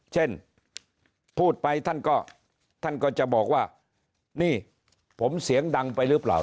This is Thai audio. เช่นพูดไปท่านก็ท่านก็จะบอกว่านี่ผมเสียงดังไปหรือเปล่า